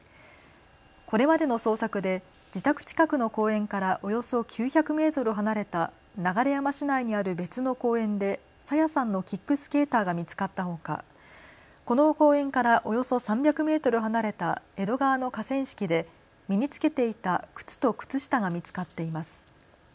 これまでの捜索で自宅近くの公園からおよそ９００メートル離れた流山市内にある別の公園で朝芽さんのキックスケーターが見つかったほかこの公園からおよそ３００メートル離れた江戸川の河川敷で身に着けていた靴と靴下が見つかっています。